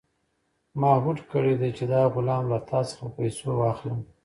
ما هوډ کړی دی چې دا غلام له تا څخه په پیسو واخلم.